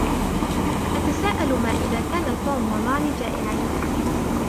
أتساءل ما إذا كان توم وماري جائعين.